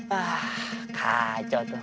hah kacau tuh